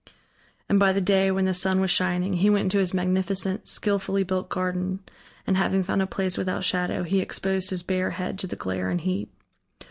And by the day, when the sun was shining, he went into his magnificent, skilfully built garden and having found a place without shadow, he exposed his bare head to the glare and heat.